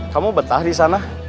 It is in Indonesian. kamu betah disana